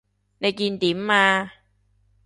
你見點啊？